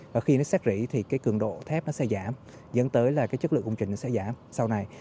và khi nó xét rỉ thì cái cường độ thép nó sẽ giảm dẫn tới là cái chất lượng công trình nó sẽ giảm sau này